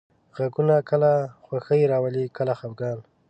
غږونه کله خوښي راولي، کله خپګان.